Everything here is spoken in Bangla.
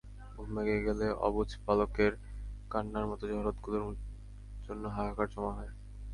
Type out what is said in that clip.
ঘুম ভেঙে গেলে অবুঝ বালকের কান্নার মতো জহরতগুলোর জন্য হাহাকার জমা হয়।